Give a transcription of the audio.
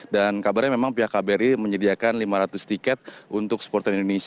dan kabarnya memang pihak kbri menyediakan lima ratus tiket untuk supporter indonesia